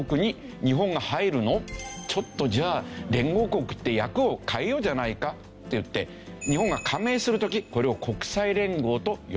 「ちょっとじゃあ連合国って訳を変えようじゃないか」って言って日本が加盟する時これを国際連合と読みかえたと。